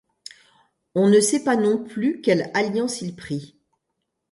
On ne sait pas non plus quelle alliance il prit.